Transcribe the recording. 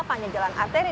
panjang jalan arteri